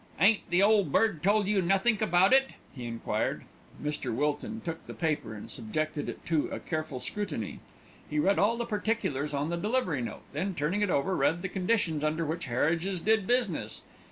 Ain't the Ole Bird told you nothink about it?" he enquired. Mr. Wilton took the paper and subjected it to a careful scrutiny. He read all the particulars on the delivery note, then turning it over, read the conditions under which Harridge's did business.